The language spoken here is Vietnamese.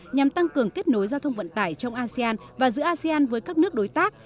nhằm tăng cường kết nối giao thông vận tải trong asean và giữa asean với các nước đối tác